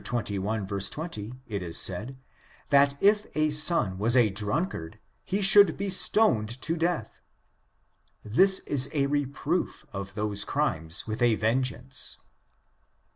xxi, 20, it is said, that if a son was a • drunkard, he should be stoned to death. This is a reproof of those crimes with a vengeance.